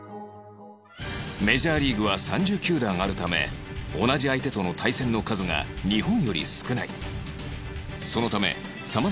メジャーリーグは３０球団あるため同じ相手との対戦の数が日本より少ない